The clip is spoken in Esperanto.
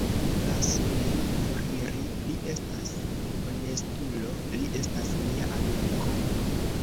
Lasu lin foriri; li estas honestulo; li estas mia amiko!